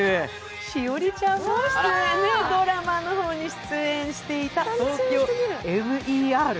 栞里ちゃんもドラマの方に出演していた「ＴＯＫＹＯＭＥＲ」